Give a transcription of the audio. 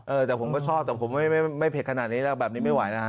แต่ผมก็ชอบแต่ผมไม่เผ็ดขนาดนี้แล้วแบบนี้ไม่ไหวนะฮะ